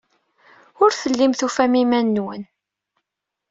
Ur tellim tufam iman-nwen.